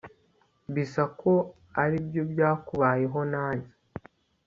bisa ko aribyo byakubayeho nanjye